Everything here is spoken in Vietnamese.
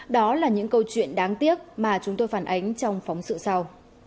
đó là những câu chuyện đáng tiếc mà chúng tôi phản ánh trong phóng sự sau